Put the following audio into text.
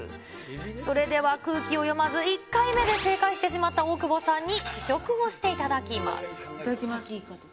それでは空気を読まず、１回目で正解してしまった大久保さんに試食をしていただきます。